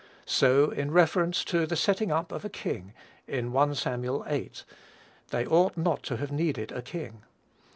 So, in reference to the setting up of a king, in 1 Sam. viii. They ought not to have needed a king.